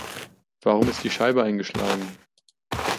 Warum ist die Scheibe eingeschlagen?